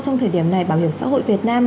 trong thời điểm này bảo hiểm xã hội việt nam